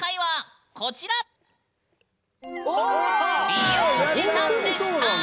美容師さんでした！